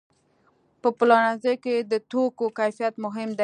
په پلورنځي کې د توکو کیفیت مهم دی.